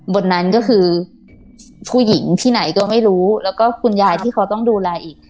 บนนั้นก็คือผู้หญิงที่ไหนก็ไม่รู้แล้วก็คุณยายที่เขาต้องดูแลอีก